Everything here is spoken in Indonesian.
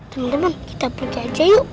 temen temen kita pergi aja yuk